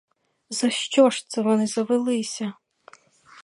За що ж це вони завелися?